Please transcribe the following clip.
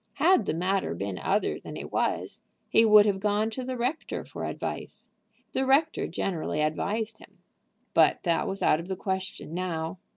Had the matter been other than it was, he would have gone to the rector for advice. The rector generally advised him. But that was out of the question now.